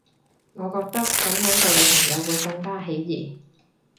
我覺得噉樣做女朋友會更加起疑